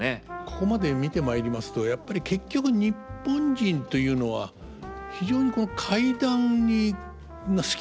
ここまで見てまいりますとやっぱり結局日本人というのは非常にこの怪談が好きなのかなって。